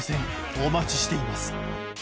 お待ちしています